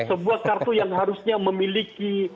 sebuah kartu yang harusnya memiliki